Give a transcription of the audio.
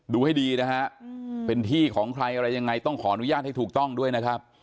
ดูให้ดีนะฮะเป็นที่ของใครอะไรยังไงต้องขออนุญาตให้ถูกต้องด้วยนะครับ